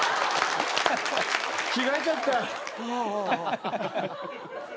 着替えちゃおっか。